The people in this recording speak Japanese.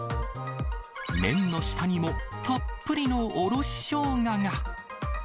麺の下にもたっぷりのおろしショウガが。